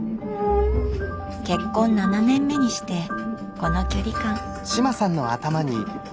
結婚７年目にしてこの距離感。